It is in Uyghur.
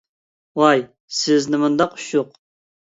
ۋاي سىز نېمانداق ئۇششۇق!